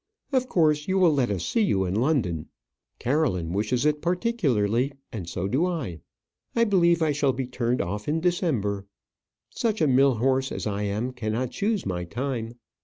Of course, you will let us see you in London. Caroline wishes it particularly; and so do I. I believe I shall be turned off in December. Such a mill horse as I am cannot choose my time.